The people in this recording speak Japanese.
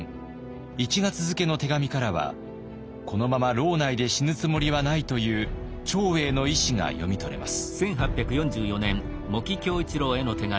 １月付の手紙からはこのまま牢内で死ぬつもりはないという長英の意志が読み取れます。